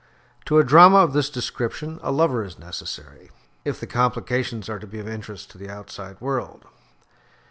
To a drama of this description, a lover is necessary, if the complications are to be of interest to the outside world.